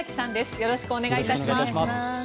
よろしくお願いします。